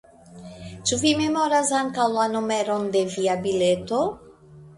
Ĉu vi memoras ankaŭ la numeron de via bileto?